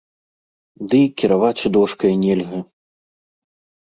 Ды і кіраваць дошкай нельга.